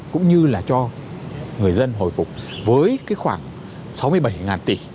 cũng như là cho người dân hồi phục với cái khoảng sáu mươi bảy tỷ